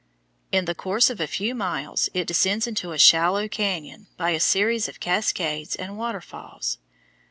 In the course of a few miles it descends into a shallow cañon by a series of cascades and waterfalls.